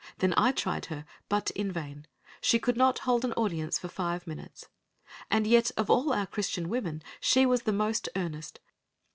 Then I tried her, but in vain. She could not hold an audience for five minutes. And yet of all our Christian women she was the most earnest.